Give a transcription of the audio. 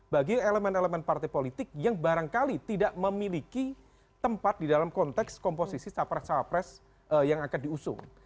bagi elemen elemen partai politik yang barangkali tidak memiliki tempat di dalam konteks komposisi capres capres yang akan diusung